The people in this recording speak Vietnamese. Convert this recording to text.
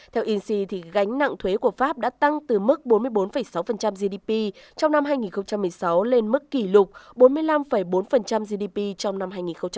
theo insee gánh nặng thuế của pháp đã tăng từ mức bốn mươi bốn sáu gdp trong năm hai nghìn một mươi sáu lên mức kỷ lục bốn mươi năm bốn gdp trong năm hai nghìn một mươi tám